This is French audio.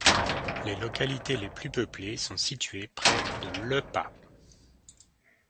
Les localités les plus peuplées sont situées près de Le Pas.